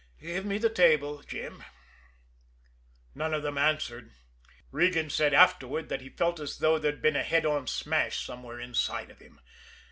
Give me the 'table, Jim." Not one of them answered. Regan said afterward that he felt as though there'd been a head on smash somewhere inside of him.